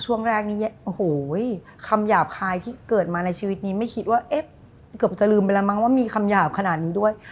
ช่วงแรกนี้โอ้โหคำหยาบคายที่เกิดมาในชีวิตนี้ไม่คิดว่าเอ๊ะเกือบจะลืมไปแล้วมั้งว่ามีคำหยาบขนาดนี้ด้วย